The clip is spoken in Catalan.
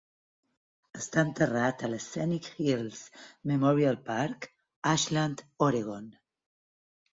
Està enterrat al Scenic Hills Memorial Park, Ashland, Oregon.